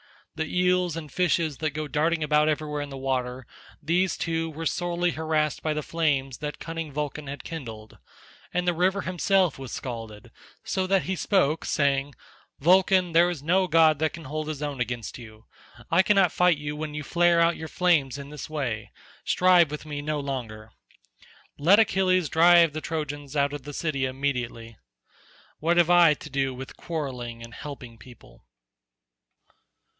The eels and fishes that go darting about everywhere in the water, these, too, were sorely harassed by the flames that cunning Vulcan had kindled, and the river himself was scalded, so that he spoke saying, "Vulcan, there is no god can hold his own against you. I cannot fight you when you flare out your flames in this way; strive with me no longer. Let Achilles drive the Trojans out of their city immediately. What have I to do with quarrelling and helping people?"